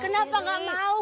kenapa gak mau